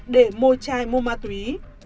để môi chai mua ma túy